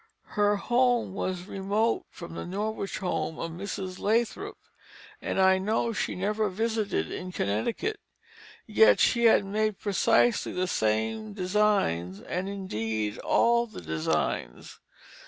Her home was remote from the Norwich home of Mrs. Lathrop, and I know she never visited in Connecticut, yet she made precisely the same designs and indeed all the designs.